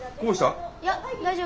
いや大丈夫。